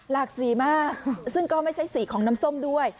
สีมากซึ่งก็ไม่ใช่สีของน้ำส้มด้วย